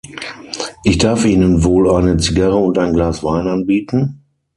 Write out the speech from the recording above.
Ich darf Ihnen wohl eine Zigarre und ein Glas Wein anbieten?